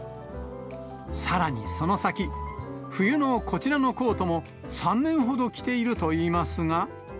さらにその先、冬のこちらのコートも、３年ほど着ているといいますが。